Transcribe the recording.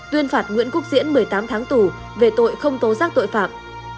tuyên phạt nguyễn quốc diễn một mươi tám tháng tù về tội không tố giác tội phạm